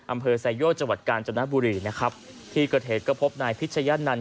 อำเภอไซโยกจังหวัดกาญจนบุรีนะครับที่เกิดเหตุก็พบนายพิชยะนันต